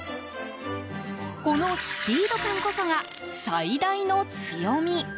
このスピード感こそが最大の強み。